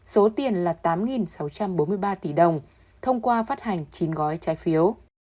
số tiền là tám sáu trăm bốn mươi ba tỷ đồng thông qua phát hành chín gói trái phiếu